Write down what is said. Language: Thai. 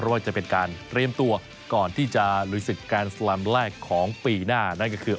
ว่าจะเป็นการเตรียมตัวก่อนที่จะลุยศึกแกนสแลมแรกของปีหน้านั่นก็คือ